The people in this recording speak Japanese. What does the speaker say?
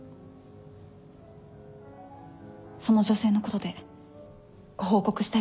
その女性のことでご報告したいことが。